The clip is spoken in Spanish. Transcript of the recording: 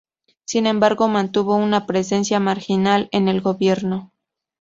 Sin embargo, mantuvo una presencia marginal en el gobierno.